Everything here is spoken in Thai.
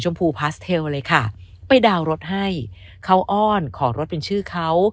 พาสเทลเลยค่ะไปดาวน์รถให้เขาอ้อนขอรถเป็นชื่อเขา